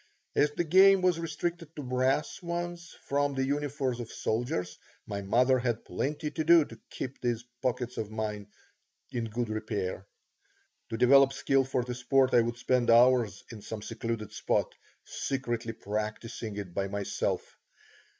As the game was restricted to brass ones from the uniforms of soldiers, my mother had plenty to do to keep those pockets of mine in good repair. To develop skill for the sport I would spend hours in some secluded spot, secretly practising it by myself.